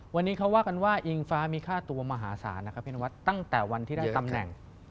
วันนี้เขาว่ากันว่าอิงฟ้ามีค่าตัวมหาศาลตั้งแต่วันที่ได้ตำแหน่ง